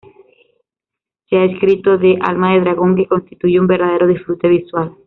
Se ha escrito de "Alma de Dragón" que constituye un "verdadero disfrute visual".